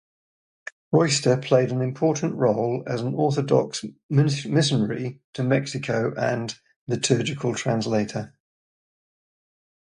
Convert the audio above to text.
Royster played an important role as an Orthodox missionary to Mexico and liturgical translator.